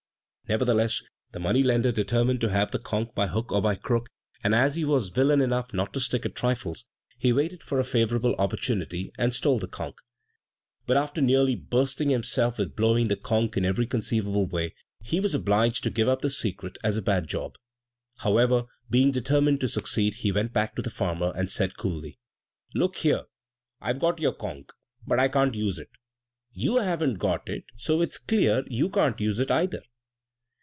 Nevertheless, the money lender determined to have the conch by hook or by crook, and as he was villain enough not to stick at trifles, he waited for a favourable opportunity and stole the conch. But, after nearly bursting himself with blowing the conch in every conceivable way, he was obliged to give up the secret as a bad job. However, being determined to succeed he went back to the farmer, and said, coolly, "Look here; I've got your conch, but I can't use it; you haven't got it, so it's clear you can't use it either.